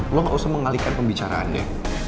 gue gak usah mengalihkan pembicaraannya